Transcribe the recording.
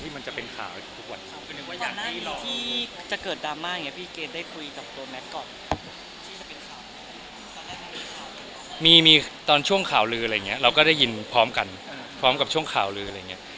มีมีตอนช่วงข่าวรืออะไรเงี้ยเราก็ได้ยินพร้อมกันพร้อมกับช่วงข่าวรืออะไรเงี้ย